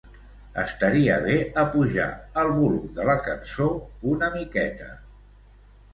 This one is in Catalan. Estaria bé apujar el volum de la cançó una miqueta.